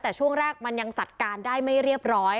แต่ช่วงแรกมันยังจัดการได้ไม่เรียบร้อย